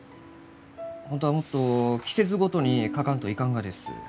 本当はもっと季節ごとに描かんといかんがです。